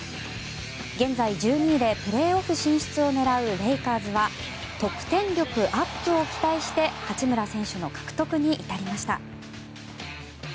現在１２位でプレーオフ進出を狙うレイカーズは得点力アップを期待して八村選手の獲得に至りました。